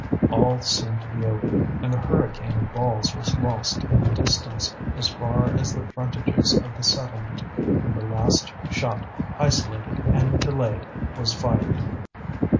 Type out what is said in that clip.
All seemed to be over, and the hurricane of balls was lost in the distance as far as the frontages of the settlement, when the last shot, isolated and delayed, was fired.